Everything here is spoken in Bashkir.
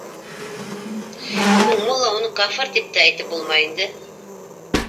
— Һуң, мулла, уны кафыр тип тә әйтеп булмай инде.